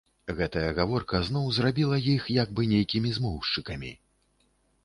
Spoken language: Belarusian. Гэтая гаворка зноў зрабіла іх як бы нейкімі змоўшчыкамі.